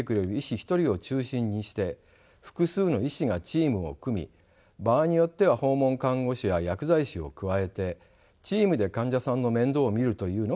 一人を中心にして複数の医師がチームを組み場合によっては訪問看護師や薬剤師を加えてチームで患者さんの面倒を見るというのが現実的です。